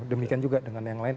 demikian juga dengan yang lain